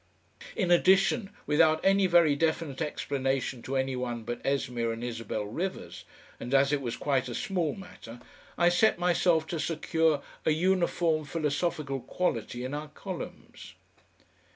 In addition, without any very definite explanation to any one but Esmeer and Isabel Rivers, and as if it was quite a small matter, I set myself to secure a uniform philosophical quality in our columns.